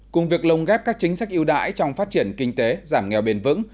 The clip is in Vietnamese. cùng việc lồng ghép các chính sách yêu đãi trong phát triển kinh tế giảm nghèo bền vững